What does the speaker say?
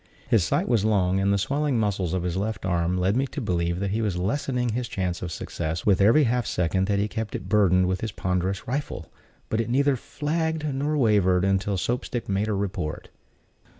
His sight was long, and the swelling muscles of his left arm led me to believe that he was lessening his chance of success with every half second that he kept it burdened with his ponderous rifle; but it neither flagged nor wavered until Soap stick made her report.